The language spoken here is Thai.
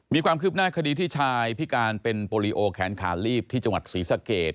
มีความคืบหน้าคดีที่ชายพิการเป็นโปรลีโอแขนขาลีบที่จังหวัดศรีสะเกด